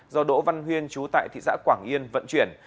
do đỗ văn huyên chú tại thị xã quảng yên vận chuyển